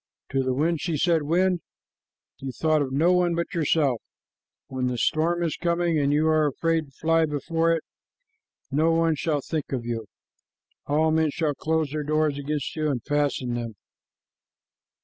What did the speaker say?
To the wind she said, "Wind, you thought of no one but yourself. When the storm is coming and you are afraid and fly before it, no one shall think of you. All men shall close their doors against you and fasten them."